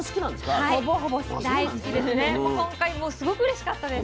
今回もすごくうれしかったです